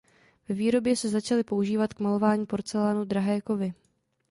Ve výrobě se začaly používat k malování porcelánu drahé kovy.